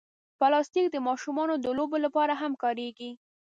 پلاستيک د ماشومانو د لوبو لپاره هم کارېږي.